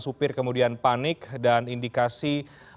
supir kemudian panik dan indikasi